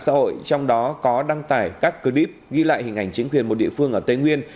xã hội trong đó có đăng tải các clip ghi lại hình ảnh chính quyền một địa phương ở tây nguyên